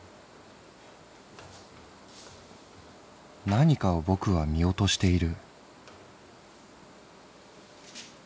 「何かをぼくは見落としている」。